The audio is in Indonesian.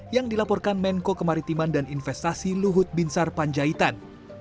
yang dilaporkan menko kemaritiman dan investasi luhut binsar panjaitan